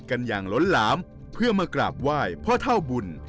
กันอย่างล้นหลามเพื่อมากราบไหว้พ่อเท่าบุญ